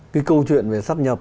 cái câu chuyện về sát nhập